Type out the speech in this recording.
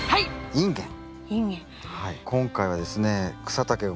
インゲン。